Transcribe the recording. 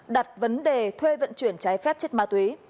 đặt vấn đề thuê vận chuyển trái phép chất ma túy